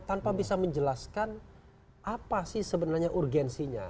tanpa bisa menjelaskan apa sih sebenarnya urgensinya